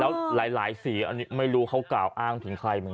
แล้วหลายสีอันนี้ไม่รู้เขากล่าวอ้างถึงใครเหมือนกัน